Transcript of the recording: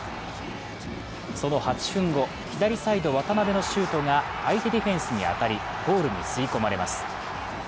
その８分後、左サイド・渡邊のシュートが相手ディフェンスに当たりゴールに吸い込まれます。